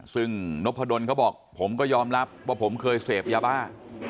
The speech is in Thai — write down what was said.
ซึ่งนพดลเขาบอกผมก็ยอมรับว่าผมเคยเสพยาบ้า